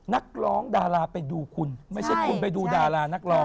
นักร้องดาราไปดูคุณไม่ใช่คุณไปดูดารานักร้อง